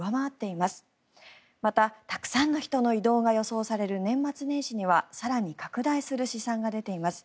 また、たくさんの人の移動が予想される年末年始には更に拡大する試算が出ています。